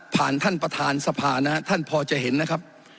ผ่านท่านประธานสภาท่านพอจะเห็นนะครับ